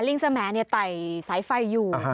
ลิงสแหมดไต่สายไฟอยู่